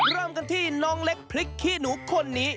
เริ่มกันที่น้องเล็กพริกขี้หนูคนนี้